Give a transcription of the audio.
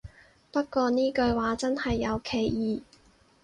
不過呢句話真係有歧義